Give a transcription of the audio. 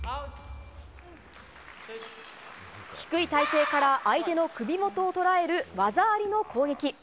低い体勢から相手の首元を捉える技ありの攻撃。